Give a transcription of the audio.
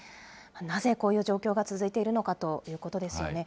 なぜこういう状況が続いているのかということですよね。